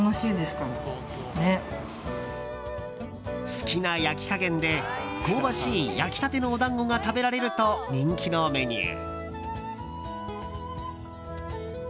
好きな焼き加減で香ばしい焼きたてのお団子が食べられると人気のメニュー。